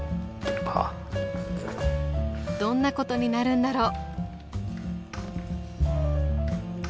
どんなことになるんだろう？